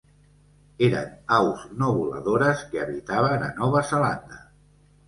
Eren aus no voladores que habitaven a Nova Zelanda.